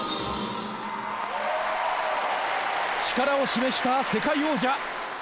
力を示した世界王者。